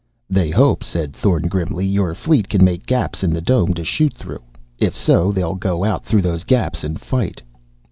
"They hope," said Thorn grimly, "your fleet can make gaps in the dome to shoot through. If so, they'll go out through those gaps and fight."